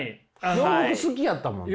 洋服好きやったもんね。